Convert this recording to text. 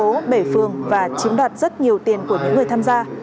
thúy tuyên bố bể phường và chiếm đoạt rất nhiều tiền của những người tham gia